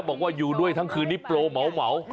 บอกว่าอยู่ด้วยทั้งคืนนี้โปรเหมา